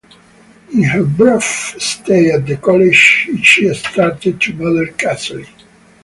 In her brief stay at the college, she started to model casually.